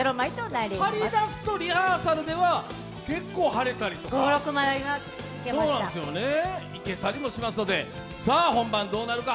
貼り出すとリハーサルでは結構貼れたりとか、いけたりもしますので、本番どうなるか。